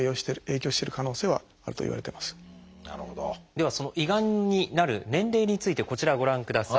ではその胃がんになる年齢についてこちらをご覧ください。